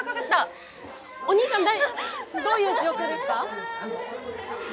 おにいさんだいどういう状況ですか？